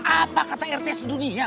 apa kata rt sedunia